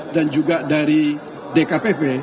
dan juga dari dkpp